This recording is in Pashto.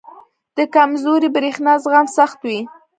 • د کمزوري برېښنا زغم سخت وي.